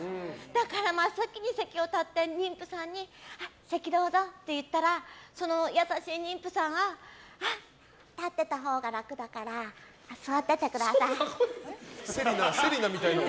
だから真っ先に席を立って妊婦さんに席どうぞって言ったらその優しい妊婦さんが立ってたほうが楽だから座っててくださいって。